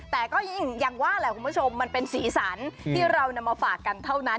แต่ก็ยิ่งอย่างว่าแหละคุณผู้ชมมันเป็นสีสันที่เรานำมาฝากกันเท่านั้น